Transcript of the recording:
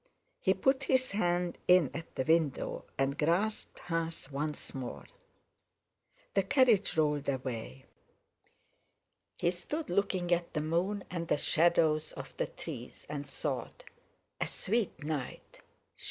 He put his hand in at the window and grasped hers once more. The carriage rolled away. He stood looking at the moon and the shadows of the trees, and thought: "A sweet night!